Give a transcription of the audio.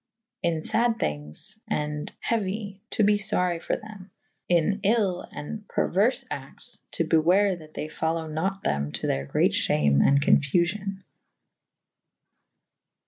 In fad thynges and heuy / to be fory for them. In yll and per uerfe actes / to beware that they folowe nat them to theyr great fhame and confufyon.